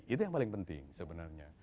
itu yang paling penting sebenarnya